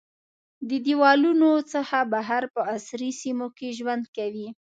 د دیوالونو څخه بهر په عصري سیمو کې ژوند کوي.